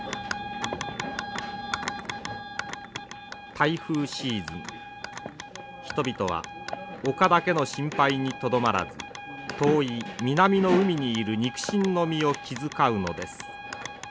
台風シーズン人々は陸だけの心配にとどまらず遠い南の海にいる肉親の身を気遣うのです。